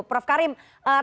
prof karim tadi